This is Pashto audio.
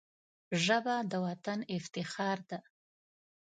ژبه د وطن افتخار ده